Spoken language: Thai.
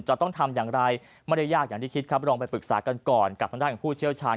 จะต้องทำอย่างไรไม่ได้ยากอย่างที่คิดครับลองไปปรึกษากันก่อนกับทางด้านของผู้เชี่ยวชาญ